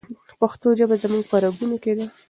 پښتو ژبه زموږ په رګونو کې ده.